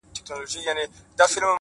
نور یې راتلو ته